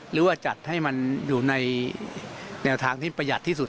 หรือว่าจัดให้มันอยู่ในแนวทางที่ประหยัดที่สุด